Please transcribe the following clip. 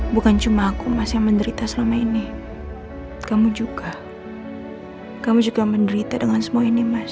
bukan cuma aku mas yang menderita selama ini kamu juga kamu juga menderita dengan semua ini mas